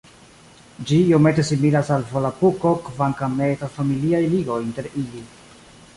Ĝi iomete similas al Volapuko kvankam ne estas familiaj ligoj inter ili.